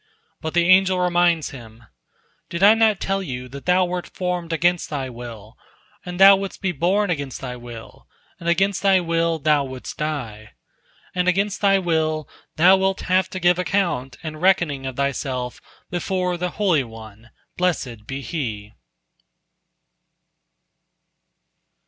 But the angel reminds him: "Did I not tell thee that thou wert formed against thy will, and thou wouldst be born against thy will, and against thy will thou wouldst die? And against thy will thou wilt have to give account and reckoning of thyself before the Holy One, blessed be He."